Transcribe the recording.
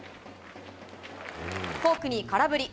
フォークに空振り。